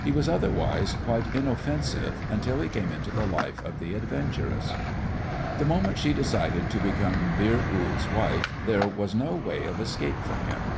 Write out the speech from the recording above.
He was otherwise quite inoffensive until he came into the life of the adventuress. The moment she decided to become Vere Goold's wife there was no way of escape for him.